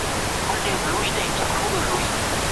عزتمن خلک تل د مظلوم تر څنګ ولاړ وي.